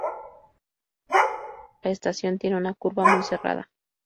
La estación tiene una curva muy cerrada.